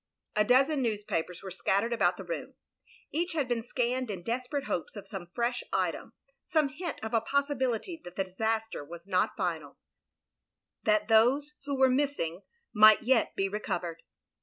A dozen newspapers were scattered about the room; each had been scanned in desperate hopes of some fresh item, some hint of a possibility that the disaster was not final — ^that those who were missing might yet be recovered.